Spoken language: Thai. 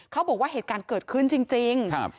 เขาบอกว่าเหตุการณ์เกิดขึ้นจริง